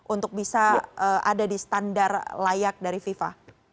untuk bisa ada di standar layak dari fifa